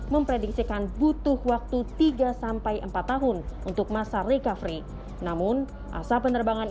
memprediksikan butuh waktu tiga empat tahun untuk masa recovery namun asa penerbangan